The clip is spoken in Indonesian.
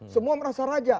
semua merasa raja